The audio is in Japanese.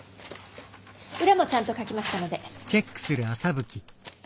裏もちゃんと書きましたので。